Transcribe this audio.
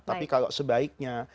tapi kalau sebaiknya